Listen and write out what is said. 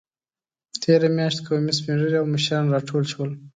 تېره میاشت قومي سپینږیري او مشران راټول شول.